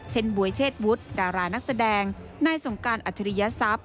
เช่นบวยเชศวุฒิดารานักแสดงนายสงการอัธริยศัพท์